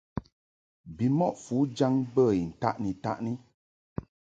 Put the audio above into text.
Bimɔʼ fujaŋ bə I ntaʼni-taʼni.